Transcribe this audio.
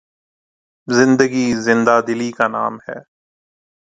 زندگی زندہ دلی کا نام ہے